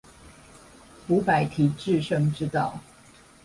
五百題致勝之道